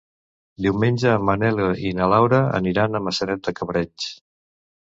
Diumenge en Manel i na Laura aniran a Maçanet de Cabrenys.